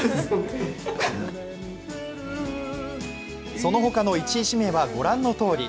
そのほかの１位指名はご覧のとおり。